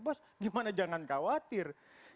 bos gimana jangan khawatir